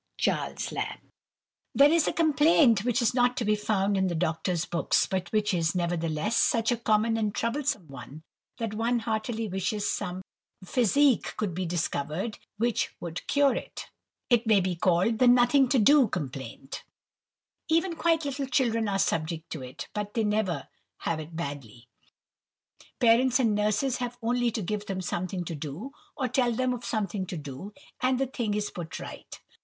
CHARLES LAMB. THERE is a complaint which is not to be found in the doctor's books, but which is, nevertheless, such a common and troublesome one, that one heartily wishes some physic could be discovered which would cure it. It may be called the nothing to do complaint. [Picture: Nothing to do] Even quite little children are subject to it, but they never have it badly. Parents and nurses have only to give them something to do, or tell them of something to do, and the thing is put right.